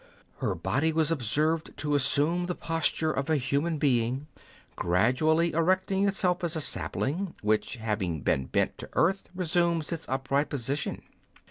Her body was observed to assume the posture of a human being, gradually erecting itself, as a sapling, which, having been bent to earth, resumes its upright position.